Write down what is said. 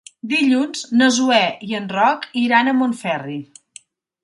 Dilluns na Zoè i en Roc iran a Montferri.